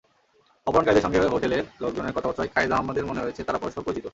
অপহরণকারীদের সঙ্গে হোটেলের লোকজনের কথাবার্তায় খায়েজ আহম্মেদের মনে হয়েছে, তারা পরস্পর পরিচিত।